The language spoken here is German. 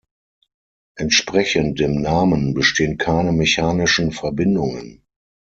Entsprechend dem Namen bestehen keine mechanischen Verbindungen.